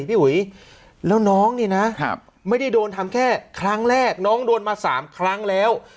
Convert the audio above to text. พี่อุ๋ยแล้วน้องนี่นะไม่ได้โดนทำแค่ครั้งแรกน้องโดนมา๓ครั้งแล้ว